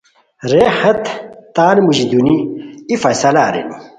رے ہیت تان موژی دونی ای فیصلہ ارینی